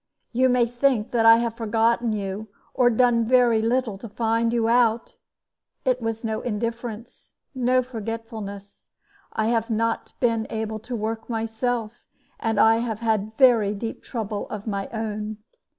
You may think that I have forgotten you, or done very little to find you out. It was no indifference, no forgetfulness: I have not been able to work myself, and I have had very deep trouble of my own."